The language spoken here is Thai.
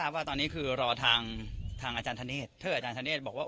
ทราบว่าตอนนี้คือรอทางทางอาจารย์ทะเนธเพื่ออาจารย์ทะเนธบอกว่า